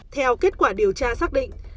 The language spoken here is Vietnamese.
theo kết quả điều tra xác định